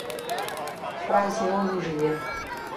fraseologia